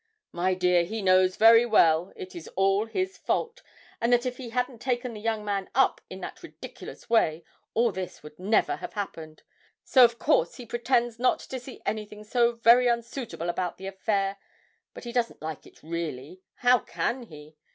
'My dear, he knows very well it is all his fault, and that if he hadn't taken the young man up in that ridiculous way all this would never have happened so, of course, he pretends not to see anything so very unsuitable about the affair but he doesn't like it, really. How can he?